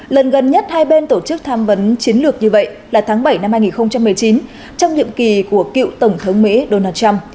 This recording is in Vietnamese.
lần gần nhất hai bên tổ chức tham vấn chiến lược như vậy là tháng bảy năm hai nghìn một mươi chín trong nhiệm kỳ của cựu tổng thống mỹ donald trump